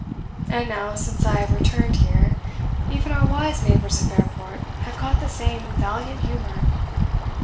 And now, since I have returned here, even our wise neighbours of Fairport have caught the same valiant humour.